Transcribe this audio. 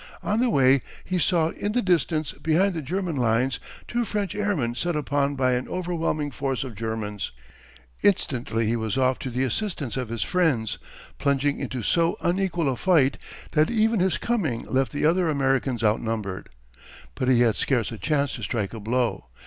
On the way he saw in the distance behind the German lines two French airmen set upon by an overwhelming force of Germans. Instantly he was off to the assistance of his friends, plunging into so unequal a fight that even his coming left the other Americans outnumbered. But he had scarce a chance to strike a blow.